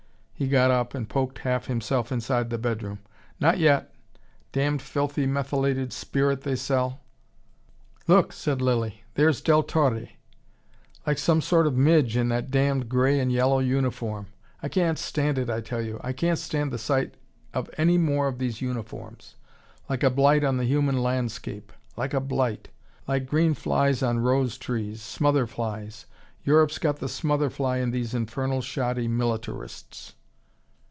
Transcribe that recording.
He got up and poked half himself inside the bedroom. "Not yet. Damned filthy methylated spirit they sell." "Look," said Lilly. "There's Del Torre!" "Like some sort of midge, in that damned grey and yellow uniform. I can't stand it, I tell you. I can't stand the sight of any more of these uniforms. Like a blight on the human landscape. Like a blight. Like green flies on rose trees, smother flies. Europe's got the smother fly in these infernal shoddy militarists."